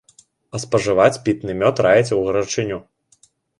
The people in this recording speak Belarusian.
А спажываць пітны мёд раіць у гарачыню.